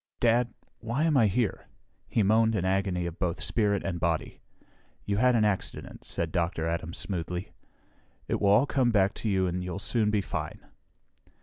"Dad why am I here?" He moaned in agony of both spirit and body. "You had an accident," said Dr. Adams smoothly. "It will all come back to you and you'll soon be fine."